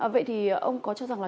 vậy thì ông có cho rằng là